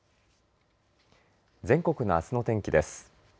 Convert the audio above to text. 全国のあすの天気です。